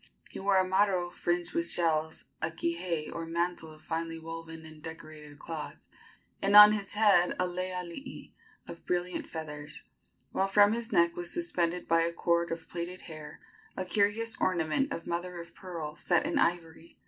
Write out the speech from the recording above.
He wore a maro fringed with shells, a kihei or mantle of finely woven and decorated cloth, and on his head a lei alii of brilliant feathers, while from his neck was suspended by a cord of plaited hair a curious ornament of mother of pearl set in ivory.